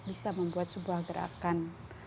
bisa membuat sebuah gerakan